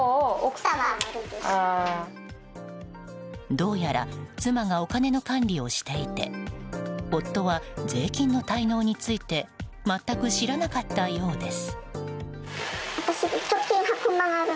どうやら妻がお金の管理をしていて夫は税金の滞納について全く知らなかったようです。